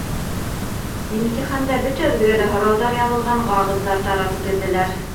Имтиханда бөтәбеҙгә лә һорауҙар яҙылған ҡағыҙҙар таратып бирҙеләр.